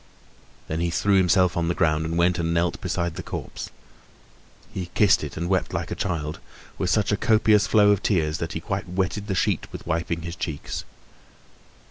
Then he threw himself on the ground and went and knelt beside the corpse. His kissed it and wept like a child, with such a copious flow of tears that he quite wetted the sheet with wiping his cheeks.